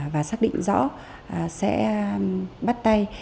và xác định rõ sẽ bắt tay